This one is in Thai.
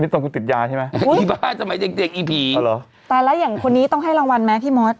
ตอนคุณติดยาใช่ไหมอีบ้าสมัยเด็กเด็กอีผีเหรอตายแล้วอย่างคนนี้ต้องให้รางวัลไหมพี่มด